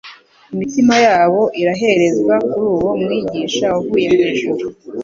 Imitima yabo ireherezwa kuri uwo Mwigisha wavuye mu ijuru.